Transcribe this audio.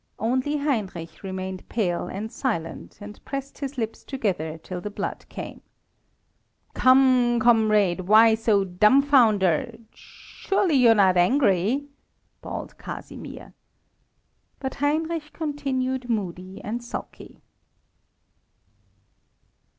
Only Heinrich remained pale and silent, and pressed his lips together till the blood came. "Come, comrade, why so dumfoundered? Surely you are not angry?" bawled Casimir. But Heinrich continued moody and sulky.